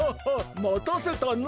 またせたな！